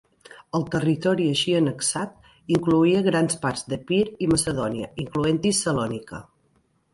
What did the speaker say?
El territori així annexat incloïa grans parts d'Epir i Macedònia, incloent-hi Salònica.